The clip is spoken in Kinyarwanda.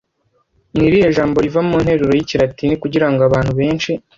Ni irihe jambo riva mu nteruro y'Ikilatini kugira ngo abantu benshi